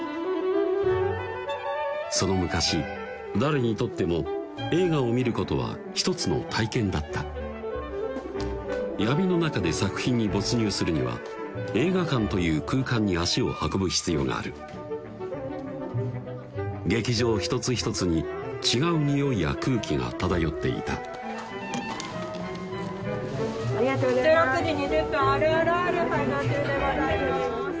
その昔誰にとっても映画を見ることは一つの体験だった闇の中で作品に没入するには映画館という空間に足を運ぶ必要がある劇場一つ一つに違う匂いや空気が漂っていたありがとうございます１６時２０分「ＲＲＲ」開場中でございます